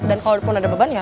dan kalo pun ada beban ya